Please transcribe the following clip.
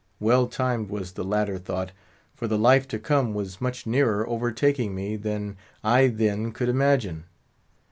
Well timed was the latter thought, for the life to come was much nearer overtaking me than I then could imagine.